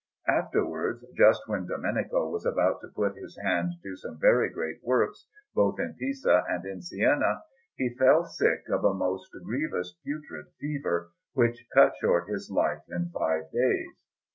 Afterwards, just when Domenico was about to put his hand to some very great works both in Pisa and in Siena, he fell sick of a most grievous putrid fever, which cut short his life in five days.